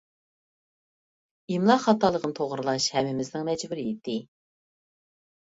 ئىملا خاتالىقىنى توغرىلاش ھەممىمىزنىڭ مەجبۇرىيىتى.